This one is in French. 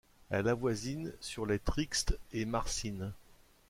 Elle avoisine Sur-les-Trixhes et Marsinne.